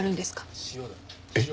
えっ？